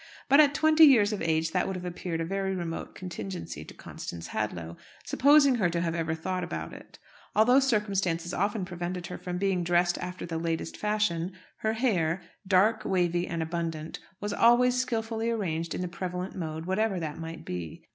But at twenty years of age that would have appeared a very remote contingency to Constance Hadlow, supposing her to have ever thought about it. Although circumstances often prevented her from being dressed after the latest fashion, her hair dark, wavy, and abundant was always skilfully arranged in the prevalent mode, whatever that might be.